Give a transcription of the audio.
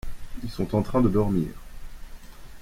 ils sont en train de dormir.